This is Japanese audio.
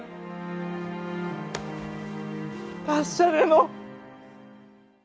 達者でのう！